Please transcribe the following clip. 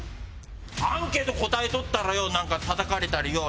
アンケート答えとったらよなんかたたかれたりよ